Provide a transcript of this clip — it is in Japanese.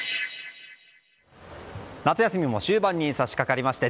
夏休みも終盤に差し掛かりました。